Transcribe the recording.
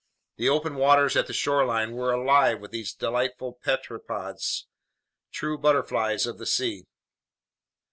The open waters at the shoreline were alive with these delightful pteropods, true butterflies of the sea.